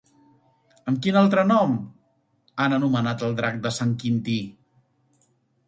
Amb quin altre nom han anomenat al drac de Sant Quintí?